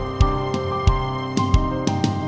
mungkin gue bisa dapat petunjuk lagi disini